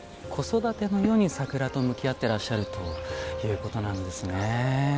子育てのように桜と向き合っていらっしゃるということなんですね。